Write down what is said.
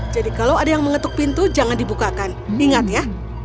jadi kalau ada yang mengetuk pintu jangan dibukakan ingat ya